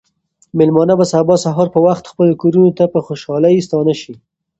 مېلمانه به سبا سهار په وخت خپلو کورونو ته په خوشحالۍ ستانه شي.